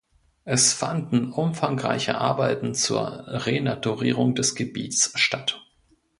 Es fanden umfangreiche Arbeiten zur Renaturierung des Gebiets statt.